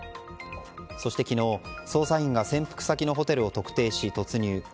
そして昨日、捜査員が潜伏先のホテルを特定し、突入。